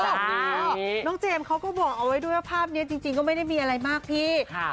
น้องเจมส์เขาก็บอกเอาไว้ด้วยว่าภาพนี้จริงก็ไม่ได้มีอะไรมากพี่